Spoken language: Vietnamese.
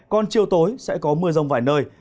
còn chiều tối sẽ có mưa rông vài nơi